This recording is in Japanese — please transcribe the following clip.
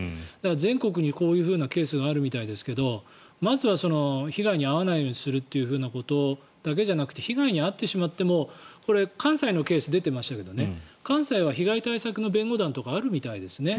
全国にこういうケースがあるみたいですけどまずは被害に遭わないようにするということだけじゃなくて被害に遭ってしまってもこれ、関西のケースが出ていましたけど関西は被害対策の弁護団とかあるみたいですね。